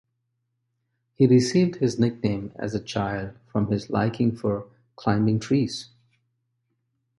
He received his nickname as a child from his liking for climbing trees.